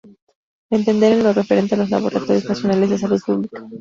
Entender en lo referente a los laboratorios nacionales de salud pública.